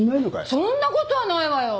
そんなことはないわよ！